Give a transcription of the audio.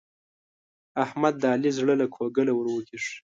احمد د علي زړه له کوګله ور وکېښ.